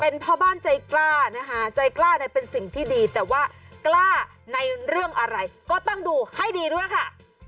เป็นพ่อบ้านใจกล้านะคะใจกล้าเนี่ยเป็นสิ่งที่ดีแต่ว่ากล้าในเรื่องอะไรก็ต้องดูให้ดีด้วยค่ะ